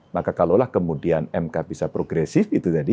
maka kalau kemudian mk bisa progresif